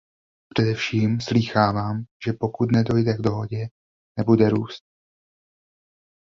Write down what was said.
Především, slýchávám, že pokud nedojde k dohodě, nebude růst.